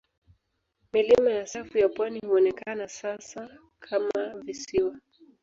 Milima ya safu ya pwani huonekana sasa kama visiwa.